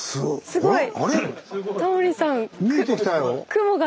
すごい。